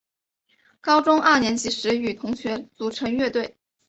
高中二年级时与同学组成乐队。